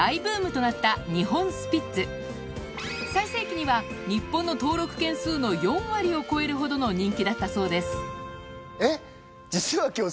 最盛期には日本の登録犬数の４割を超えるほどの人気だったそうですえっ実は今日。